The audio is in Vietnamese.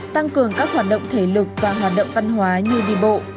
tăng cường các hoạt động thể lực và hoạt động văn hóa như đi bộ